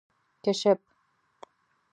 🐢 کېشپ